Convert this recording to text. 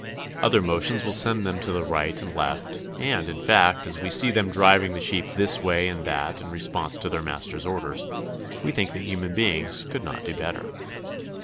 Other motions will send them to the right and left, and, in fact, as we see them driving the sheep this way and that in response to their master's orders, we think that human beings could not do better.